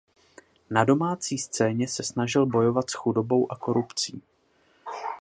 Na domácí scéně se snažil bojovat s chudobou a korupcí.